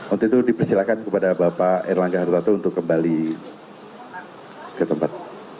untuk itu dipersilakan kepada bapak erlangga hartarto untuk kembali ke tempat